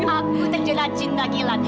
aku terjelajah cinta gila